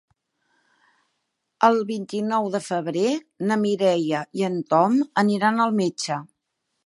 El vint-i-nou de febrer na Mireia i en Tom aniran al metge.